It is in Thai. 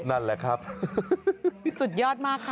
นั่นแหละครับสุดยอดมากค่ะ